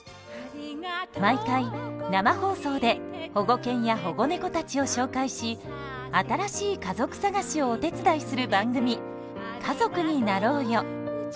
毎回生放送で保護犬や保護猫たちを紹介し新しい家族探しをお手伝いする番組「家族になろうよ」。